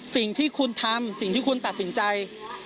สิ่งที่คุณทำสิ่งที่คุณตัดสินใจ